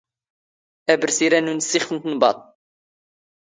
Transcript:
ⴰⴱⵔⵙⵉⵔⴰ ⵏ ⵓⵏⵙⵙⵉⵅⴼ ⵏ ⵜⵏⴱⴰⴹⵜ.